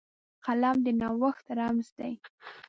قلم د نوښت رمز دی